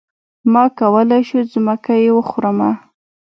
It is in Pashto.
ما کولی شو ځمکه يې وخورمه.